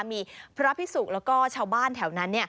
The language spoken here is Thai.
มีพระพิสุกแล้วก็ชาวบ้านแถวนั้น